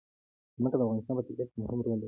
ځمکه د افغانستان په طبیعت کې مهم رول لري.